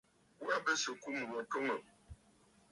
Wa bɨ sɨ̀ ɨkum gho twoŋtə̀.